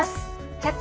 「キャッチ！